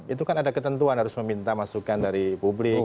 itu kan ada ketentuan harus meminta masukan dari publik